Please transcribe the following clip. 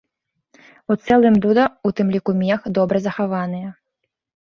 У цэлым дуда, у тым ліку мех, добра захаваныя.